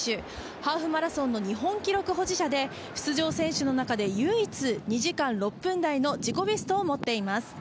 ハーフマラソンの日本記録保持者で、出場選手の中で唯一２時間６分台の自己ベストを持っています。